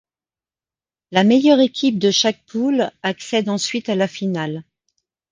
La meilleure équipe de chaque poule accède ensuite à la finale.